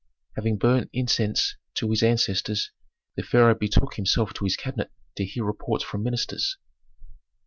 Having burnt incense to his ancestors, the pharaoh betook himself to his cabinet to hear reports from ministers.